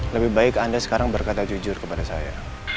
lebih baik anda sekarang berkata jujur kepada saya